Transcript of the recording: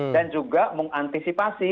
dan juga mengantisipasi